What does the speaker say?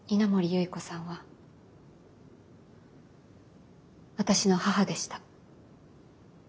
有依子さんは私の母でした。